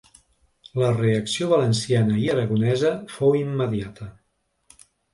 La reacció valenciana i aragonesa fou immediata.